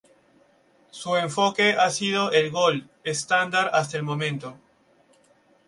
Su enfoque ha sido el Gold Standard hasta el momento.